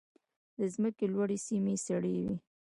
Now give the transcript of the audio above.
د ځمکې لوړې سیمې سړې وي.